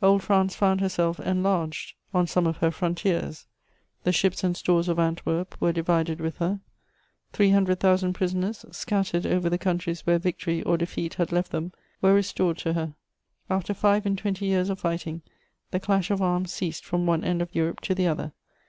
Old France found herself enlarged on some of her frontiers; the ships and stores of Antwerp were divided with her; three hundred thousand prisoners, scattered over the countries where victory or defeat had left them, were restored to her. After five and twenty years of fighting, the clash of arms ceased from one end of Europe to the other.